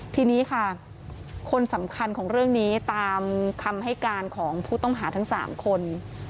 ทีนี้ค่ะคนสำคัญของเรื่องนี้ตามคำให้การของผู้ต้องหาทั้ง๓คน